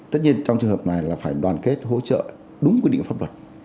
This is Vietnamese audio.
tất nhiên trong trường hợp này là phải đoàn kết hỗ trợ đúng quy định pháp luật